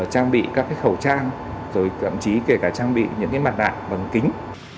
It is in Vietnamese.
trang bị các khẩu trang rồi thậm chí kể cả trang bị những mặt nạ bằng kính